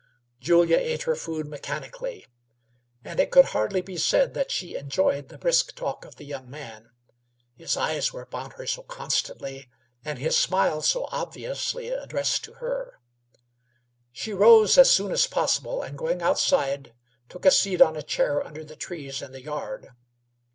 Julia ate her food mechanically, and it could hardly be said that she enjoyed the brisk talk of the young man, his eyes were upon her so constantly and his smile so obviously addressed to her, She rose as soon as possible and, going outside, took a seat on a chair under the trees in the yard.